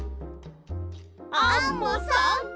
アンモさん。